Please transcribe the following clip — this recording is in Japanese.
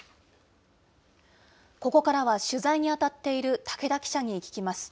ここからは取材に当たっている竹田記者に聞きます。